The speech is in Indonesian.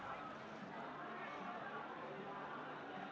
informasinya akan bergerak dari tugu proklamasi di jakarta pusat